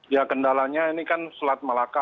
ya kendalanya ini kan selat malaka